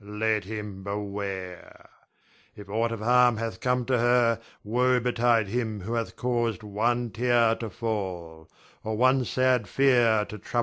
Let him beware. If aught of harm hath come to her, woe betide him who hath caused one tear to fall, or one sad fear to trouble her.